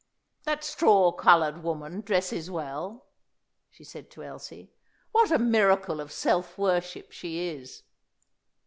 "That straw coloured woman dresses well," she said to Elsie. "What a miracle of self worship she is!"